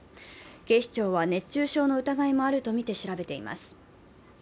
警視庁は熱中症の疑いもあるとみて調べています。